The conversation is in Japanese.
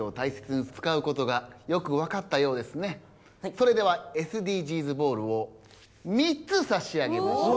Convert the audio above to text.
それではＳＤＧｓボールを３つさし上げましょう。